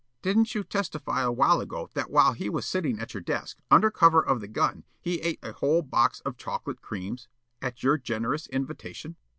Counsel: "Didn't you testify awhile ago that while he was sitting at your desk, under cover of the gun, he ate a whole box of chocolate creams, at your generous invitation?"